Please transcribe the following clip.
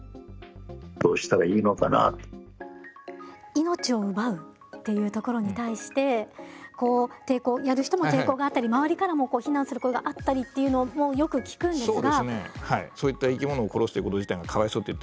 命を奪うっていうところに対してやる人も抵抗があったり周りからも非難する声があったりっていうのもよく聞くんですが。